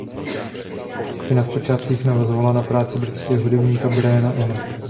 Skupina v počátcích navazovala na práci britského hudebníka Briana Ena.